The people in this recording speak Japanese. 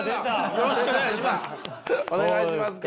よろしくお願いします。